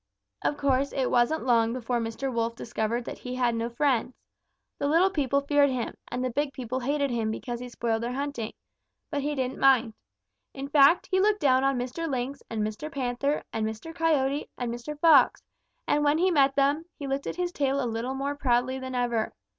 "Of course, it wasn't long before Mr. Wolf discovered that he had no friends. The little people feared him, and the big people hated him because he spoiled their hunting. But he didn't mind. In fact, he looked down on Mr. Lynx and Mr. Panther and Mr. Coyote and Mr. Fox, and when he met them, he lifted his tail a little more proudly than ever.